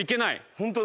ホントだ。